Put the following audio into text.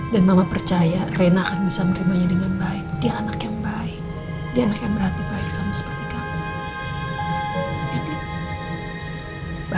dan mama percaya rena akan bisa menerimanya dengan baik dia anak yang baik dia anak yang berarti baik sama seperti kamu